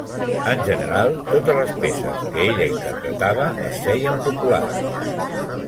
En general, totes les peces que ella interpretava es feien populars.